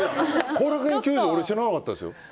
後楽園球場は知らなかったですよ。